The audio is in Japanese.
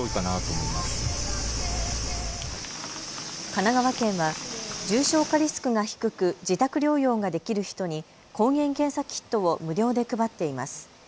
神奈川県は重症化リスクが低く自宅療養ができる人に抗原検査キットを無料で配っています。